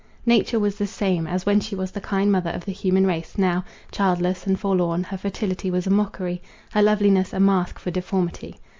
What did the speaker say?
Nature was the same, as when she was the kind mother of the human race; now, childless and forlorn, her fertility was a mockery; her loveliness a mask for deformity.